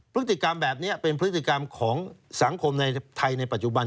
พฤติกรรมแบบนี้เป็นพฤติกรรมของสังคมในไทยในปัจจุบัน